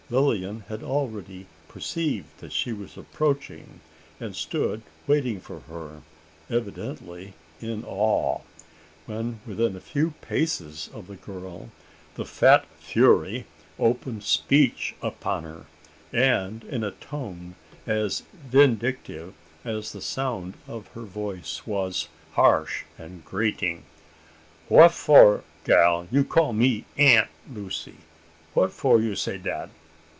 Lilian had already perceived that she was approaching, and stood waiting for her evidently in awe! When within a few paces of the girl, the fat fury opened speech upon her and in a tone as vindictive as the sound of her voice was harsh and grating. "Wha for, gal, you call me Aunt Lucy? Wha for you say dat?